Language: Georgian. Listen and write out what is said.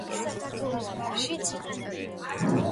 მას საქართველოს ბარშიც იყენებენ.